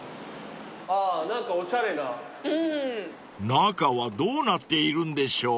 ［中はどうなっているんでしょう？］